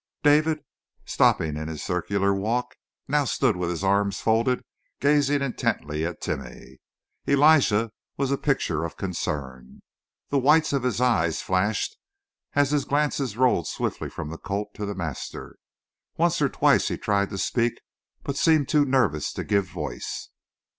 David, stopping in his circular walk, now stood with his arms folded, gazing intently at Timeh. Elijah was a picture of concern. The whites of his eyes flashed as his glances rolled swiftly from the colt to the master. Once or twice he tried to speak, but seemed too nervous to give voice.